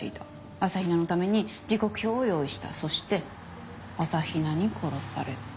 朝比奈のために時刻表を用意したそして朝比奈に殺された。